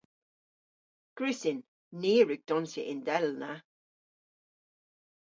Gwrussyn. Ni a wrug donsya yndellna.